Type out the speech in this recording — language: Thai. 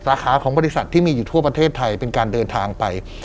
สาขาของบริษัทที่มีอยู่ทั่วประเทศไทยเป็นการเดินทางไป